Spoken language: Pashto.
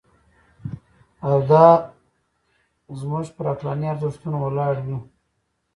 او دا موږ پر عقلاني ارزښتونو ولاړ وي.